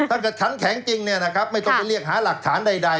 ฉันแข็งจริงเนี่ยนะครับไม่ต้องไปเรียกหาหลักฐานใด